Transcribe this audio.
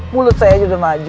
mulut saya sudah maju